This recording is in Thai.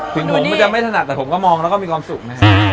ถึงผมมันจะไม่ถนัดแต่ผมก็มองแล้วก็มีความสุขนะครับ